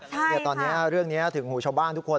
ตอนนี้เรื่องนี้ถึงหูชาวบ้านทุกคน